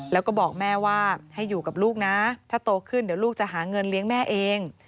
แล้วก็บอกแม่ว่าให้อยู่กับลูกนะถ้าโตขึ้นเดี๋ยวลูกจะหาเงินเลี้ยงแม่เอง